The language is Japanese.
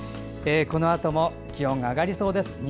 このあとも気温が上がりそうです。